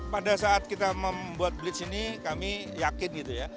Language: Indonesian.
pada saat kita membuat blitch ini kami yakin gitu ya